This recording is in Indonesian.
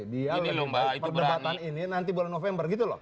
dia lebih berdekatan ini nanti bulan november gitu loh